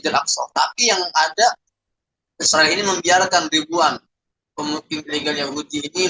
tapi yang ada ini membiarkan ribuan